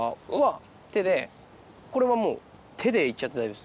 これはもう手で行っちゃって大丈夫です。